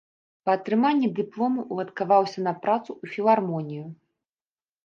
Па атрыманні дыплому ўладкаваўся на працу ў філармонію.